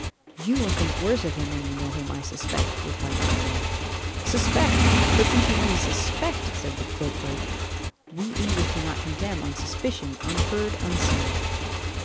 "You will think worse of him when you know him, I suspect," replied the general. "Suspect! But since you only suspect," said Beauclerc, "we English do not condemn on suspicion, unheard, unseen."